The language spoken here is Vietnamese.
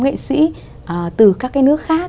nghệ sĩ từ các cái nước khác